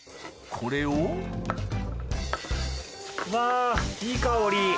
これをうわいい香り。